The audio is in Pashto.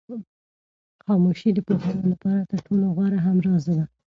خاموشي د پوهانو لپاره تر ټولو غوره همراز ده.